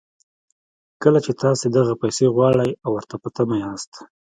کله چې تاسې دغه پيسې غواړئ او ورته په تمه ياست.